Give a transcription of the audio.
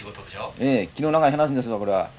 ええ気の長い話ですわこれは。